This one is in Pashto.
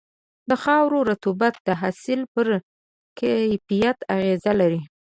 د خاورې رطوبت د حاصل پر کیفیت اغېز لري.